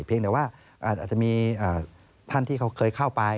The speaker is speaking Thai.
เพียงแต่ว่าอาจจะมีท่านที่เขาเคยเข้าไป